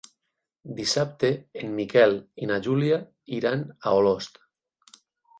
Dissabte en Miquel i na Júlia iran a Olost.